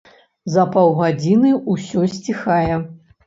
За паўгадзіны ўсё сціхае.